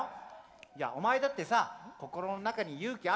いやお前だってさ心ん中に勇気あるだろ？